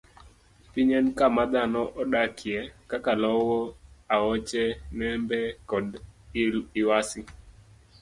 Piny en kama dhano odakie, kaka lowo, aoche, nembe, kod kor lwasi.